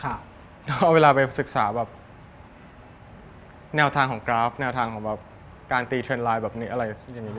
เราเอาเวลาไปศึกษาแนวทางของกราฟแนวทางของการตีเทรนด์ไลน์แบบนี้